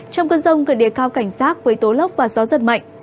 trong cơn rông quyền địa cao cảnh giác với tố lốc và gió rất mạnh